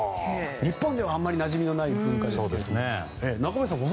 日本ではあまりなじみのない文化ですが。